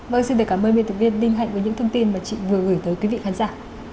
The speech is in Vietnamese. vâng xin cảm ơn biên tập viên đinh hạnh với những thông tin mà chị vừa gửi tới quý vị khán giả